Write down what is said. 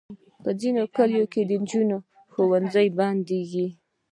په ځینو کلیو کې د انجونو ښوونځي بندېږي.